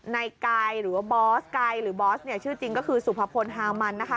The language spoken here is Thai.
นายกายหรือว่าบอสกายหรือบอสเนี่ยชื่อจริงก็คือสุภพลฮามันนะคะ